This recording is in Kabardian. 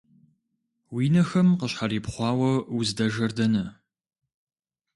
Уи нэхэм къыщхьэрипхъуауэ, уздэжэр дэнэ?